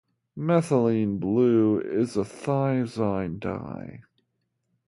Methylene blue is a thiazine dye.